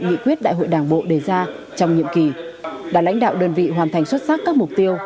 nghị quyết đại hội đảng bộ đề ra trong nhiệm kỳ đã lãnh đạo đơn vị hoàn thành xuất sắc các mục tiêu